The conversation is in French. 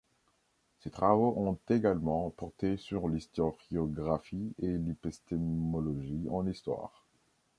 Ses travaux ont également porté sur l'historiographie et l'épistémologie en histoire.